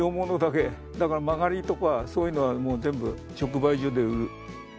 だから曲がりとかそういうのは全部直売所で売る。